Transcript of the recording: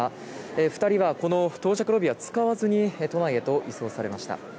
２人はこの到着ロビーは使わずに都内へと移送されました。